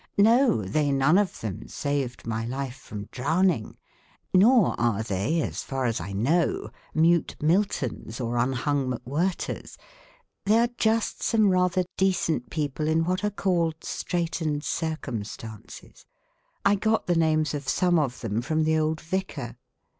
No, they none of them saved my life from drowning, nor are they (as far as I know) mute Miltons or un hung McWhirters. They are just some rather decent PHILANTHROPISTS 83 people in what are called "straitened circumstances." I got the names of some of them from the old Vicar.